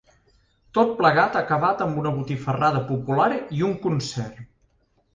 Tot plegat ha acabat amb una botifarrada popular i un concert.